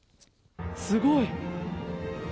すごい。